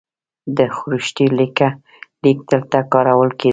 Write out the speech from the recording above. د خروشتي لیک دلته کارول کیده